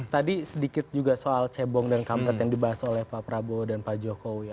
tadi sedikit juga soal cebong dan kampret yang dibahas oleh pak prabowo dan pak jokowi